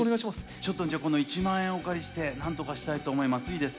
ちょっとこの一万円をお借りしてなんとかしたいと思います。